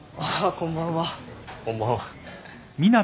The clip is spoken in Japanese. こんばんは。